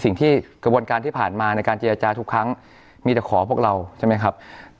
สิ่งที่กระบวนการที่ผ่านมาในการเจรจาทุกครั้งมีแต่ขอพวกเราใช่ไหมครับ